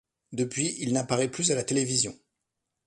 Depuis, il n'apparaît plus à la télévision.